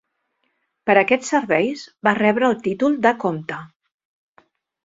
Per aquests serveis va rebre el títol de comte.